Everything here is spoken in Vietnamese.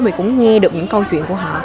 mình cũng nghe được những câu chuyện của họ